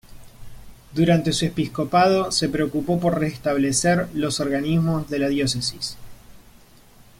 Durante su episcopado se preocupó por restablecer los organismos de la diócesis.